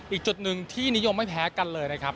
อีกจุดหนึ่งที่นิยมไม่แพ้กันเลยนะครับ